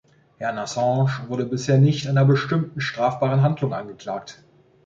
Herrn Assange wurde bisher nicht einer bestimmten strafbaren Handlung angeklagt.